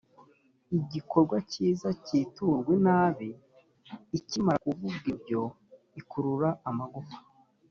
igikorwa kiza kiturwa inabi ikimara kuvuga ibyo ikurura amagufa